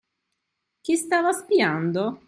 Chi stava spiando?